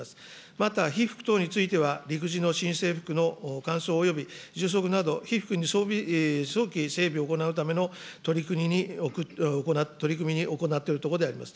また被服等については、陸自の新制服のかんそうおよび充足など、被服に早期整備を行うための取り組みに行っておるところであります。